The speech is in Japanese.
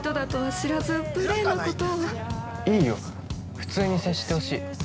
◆いいよ、普通に接してほしい。